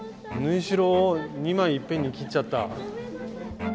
縫い代を２枚いっぺんに切っちゃった。